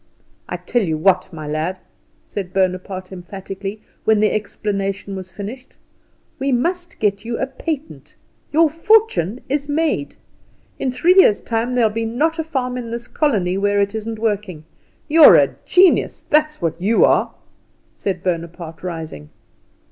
"I tell you what, my lad," said Bonaparte emphatically, when the explanation was finished, "we must get you a patent. Your fortune is made. In three years' time there'll not be a farm in this colony where it isn't working. You're a genius, that's what you are!" said Bonaparte, rising.